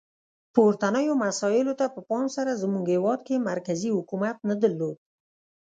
پورتنیو مسایلو ته په پام سره زموږ هیواد کې مرکزي حکومت نه درلود.